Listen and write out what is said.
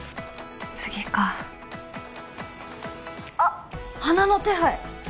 次かあっ花の手配